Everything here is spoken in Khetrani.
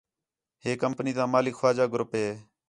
ہے کَمپنی تا مالک خواجہ گروپ ہے